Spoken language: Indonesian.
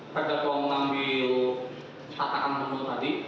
pada waktu ambil atakan menu tadi